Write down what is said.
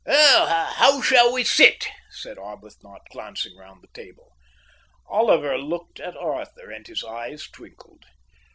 "Now, how shall we sit?" said Arbuthnot, glancing round the table. Oliver looked at Arthur, and his eyes twinkled.